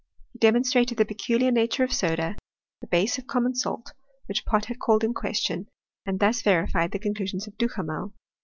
He de monstrated the peculiar nature of soda, the base of common salt, which Pott had called in question, and thus verified the conclusions of Duhamel.